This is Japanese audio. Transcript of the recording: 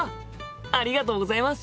ありがとうございます。